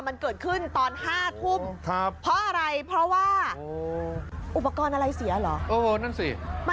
นี่คือตอนมันขัดคล่องไปแล้วใช่ไหม